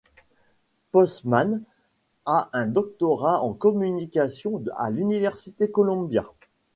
Postman a un doctorat en Communication à l'université Columbia.